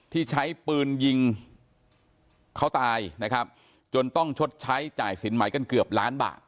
ที่ใช้ปืนยิงเขาตายนะครับจนต้องชดใช้จ่ายสินใหม่กันเกือบล้านบาท